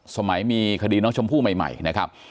สมัยมีคดีน้องชมพู่ใหม่นะครับ